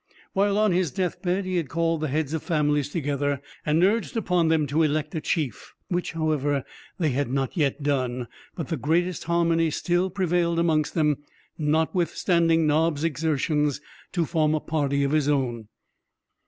While on his deathbed, he had called the heads of families together, and urged upon them to elect a chief; which, however, they had not yet done; but the greatest harmony still prevailed amongst them, notwithstanding Nobbs's exertions to form a party of his own.